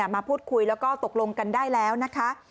มาพูดคุยแล้วก็ตกลงกันได้แล้วนะคะ